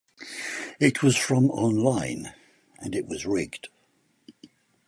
It was from online, and it was rigged.